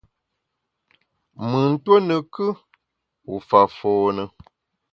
Mùn tuo ne kù, u fa fône.